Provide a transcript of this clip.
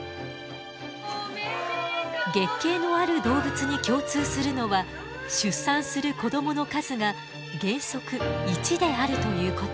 月経のある動物に共通するのは出産する子どもの数が原則１であるということ。